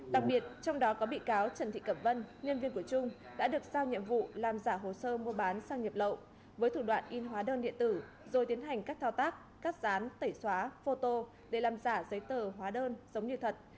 đặc biệt trong đó có bị cáo trần thị cẩm vân nhân viên của trung đã được sao nhiệm vụ làm giả hồ sơ mua bán sang nhập lậu với thủ đoạn in hóa đơn điện tử rồi tiến hành các thao tác cắt rán tẩy xóa photo để làm giả giấy tờ hóa đơn giống như thật